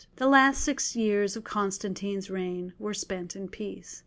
The last six years of Constantine's reign were spent in peace.